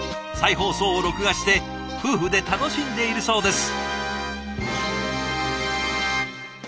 再放送を録画して夫婦で楽しんでいるそうです。